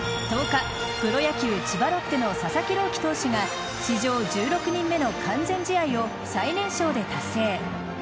１０日、プロ野球千葉ロッテの佐々木朗希投手が史上１６人目の完全試合を最年少で達成。